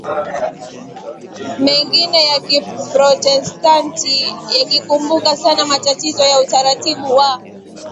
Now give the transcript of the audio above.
mengine ya Kiprotestanti yakikumbuka sana matatizo ya utaratibu wa